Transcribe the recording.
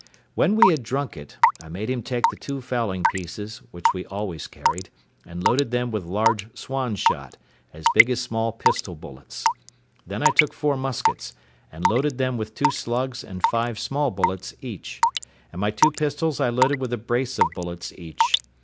When we had drunk it, I made him take the two fowling pieces, which we always carried, and loaded them with large swan shot, as big as small pistol bullets. Then I took four muskets, and loaded them with two slugs and five small bullets each; and my two pistols I loaded with a brace of bullets each.